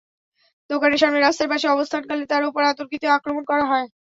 দোকানের সামনে রাস্তার পাশে অবস্থানকালে তাঁর ওপর অতর্কিতে আক্রমণ করা হয়।